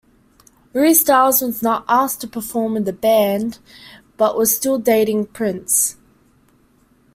Re Styles was not asked to perform with band but was still dating Prince.